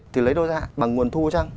thì lấy đâu ra bằng nguồn thu chăng